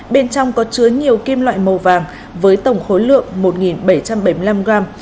bên trong có chứa nhiều kim loại màu vàng với tổng khối lượng một bảy trăm bảy mươi năm gram